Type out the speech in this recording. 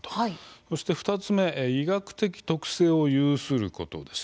そして、２つ目医学的特性を有することです。